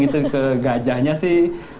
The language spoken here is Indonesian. itu ke gajahnya sih